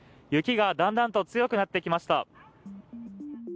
雪がだんだんと強くなってきました。